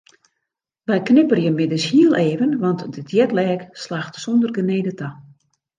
Wy knipperje middeis hiel even want de jetlag slacht sûnder genede ta.